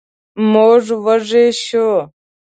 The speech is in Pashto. موږ وږي شوو.